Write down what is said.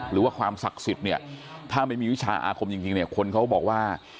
หรือว่าความศักดิ์สิทธิ์เนี่ยถ้าไม่มีวิชาอาคมจริงเนี่ยคนเขาบอกว่า